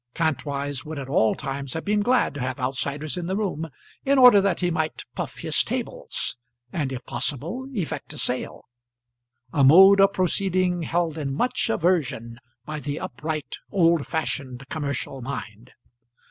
Kantwise would at all times have been glad to have outsiders in the room, in order that he might puff his tables, and if possible effect a sale; a mode of proceeding held in much aversion by the upright, old fashioned, commercial mind.